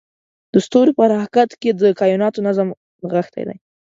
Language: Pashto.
د ستورو په حرکت کې د کایناتو نظم نغښتی دی.